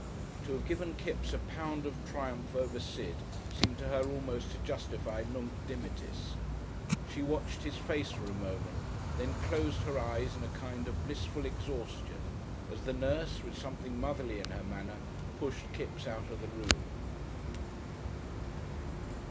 To have given Kipps a pound of triumph over Sid seemed to her almost to justify Nunc Dimittis. She watched his face for a moment, then closed her eyes in a kind of blissful exhaustion as the nurse, with something motherly in her manner, pushed Kipps out of the room.